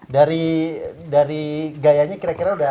dari gayanya kira kira udah